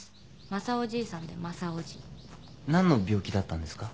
正雄じいさんで「まさおじ」何の病気だったんですか？